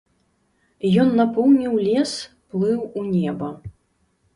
Ён напоўніў лес, плыў у неба.